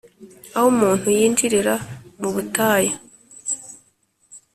aho umuntu yinjirira mu butayu